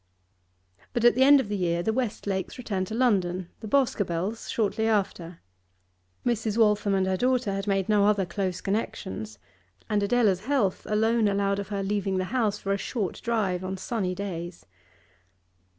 But at the end of the year, the Westlakes returned to London, the Boscobels shortly after. Mrs. Waltham and her daughter had made no other close connections, and Adela's health alone allowed of her leaving the house for a short drive on sunny days.